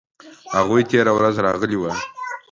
هغوی تیره ورځ راغلي وو